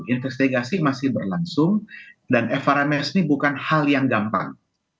investigasi masih berlangsung dan evaramesti bukan hal yang gampang